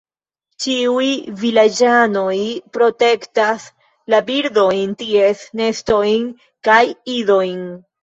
Ĉiuj vilaĝanoj protektas la birdojn, ties nestojn kaj idojn.